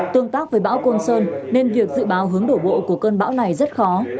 tương tác với bão côn sơn nên việc dự báo hướng đổ bộ của cơn bão này rất khó